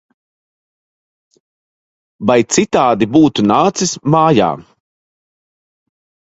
Vai citādi būtu nācis mājā!